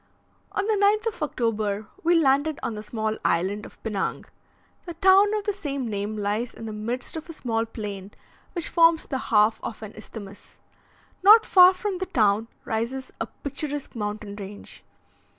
On the 9th of October we landed on the small island of Pinang. The town of the same name lies in the midst of a small plain, which forms the half of an isthmus. Not far from the town rises a picturesque mountain range.